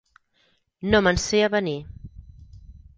No me'n sé avenir.